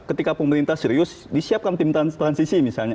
ketika pemerintah serius disiapkan tim transisi misalnya